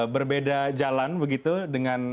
berbeda jalan begitu dengan